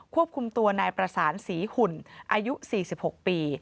ควบคุมตัวนายประสานศรีหุ่นอายุ๔๖ปี